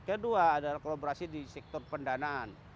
kedua adalah kolaborasi di sektor pendanaan